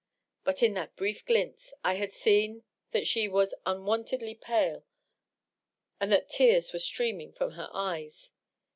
But in that brief glimpse I had seen that she was unwontedly pale and that tears were streaming &om her eyes.